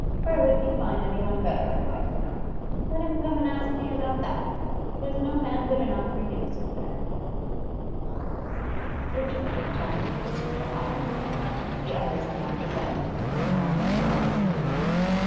'Where would he find any one better, I'd like to know? Let him come and ask me about that! There's no man good enough for you, sister Emmy.' Richard was talking with his sister Alice; the others had gone to bed, and the house was quiet.